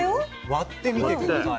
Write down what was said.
割ってみて下さい。